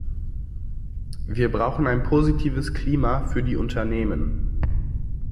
Wir brauchen ein positives Klima für die Unternehmen.